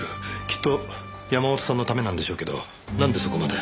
きっと山本さんのためなんでしょうけどなんでそこまで。